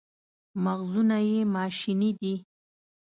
مغزونه یې ماشیني دي.